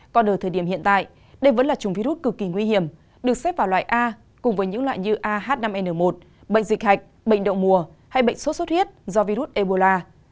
còn ở thời điểm hiện tại đây vẫn là chủng virus cực kỳ nguy hiểm được xếp vào loại a cùng với những loại như ah năm n một bệnh dịch hạch bệnh đậu mùa hay bệnh sốt xuất huyết do virus ebola